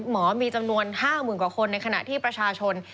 หมอมีจำนวน๕๐๐๐กว่าคนในขณะที่ประชาชน